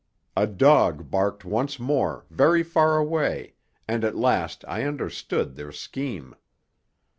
A dog barked once more, very far away, and at last I understood their scheme.